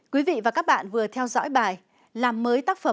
quý vị và các bạn vừa theo dõi bài làm mới tác phẩm